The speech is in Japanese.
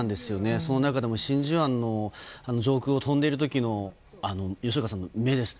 その中でも真珠湾の上空を飛んでいる時の吉岡さんの目です。